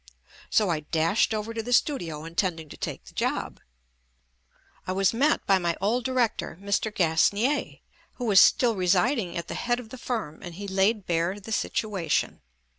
So I dashed over to the studio intending to take the job. I was met by my old director, Mr. Gasnier, who was still residing at the head of the firm, and he laid bare the situation.